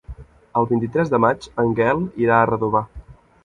El vint-i-tres de maig en Gaël irà a Redovà.